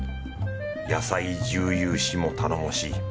野菜十勇士も頼もしい。